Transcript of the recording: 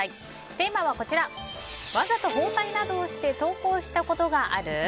テーマは、わざと包帯などをして登校したことがある？